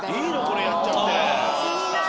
これやっちゃって。